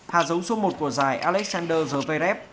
hà giống số một của giải alexander zverev